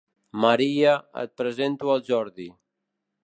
Maria, et presento el Jordi.